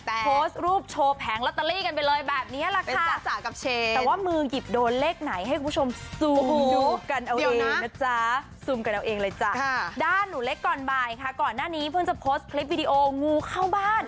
โพสต์รูปโชว์แผงลัตเตอรี่กันไปเลยแบบนี้แหละค่ะ